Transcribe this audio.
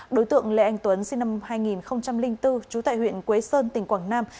đối tượng lê anh tuấn sinh năm hai nghìn bốn trú tại huyện quế sơn tỉnh quảng nam